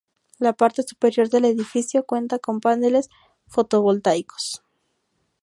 La parte superior del edificio cuenta con paneles fotovoltaicos.